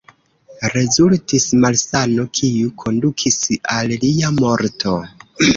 Rezultis malsano, kiu kondukis al lia morto.